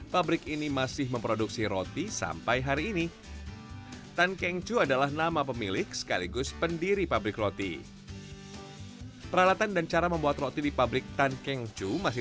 karena itu yang akan menjadi magnet orang untuk datang kembali